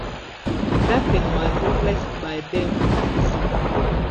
Duffin was replaced by Dave Patterson.